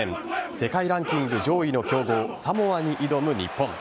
世界ランキング上位の強豪サモアに挑む日本。